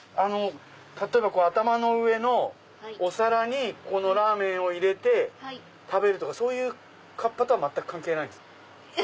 例えば頭の上のお皿にラーメンを入れて食べるとかそういうカッパとは全く関係ないんですか？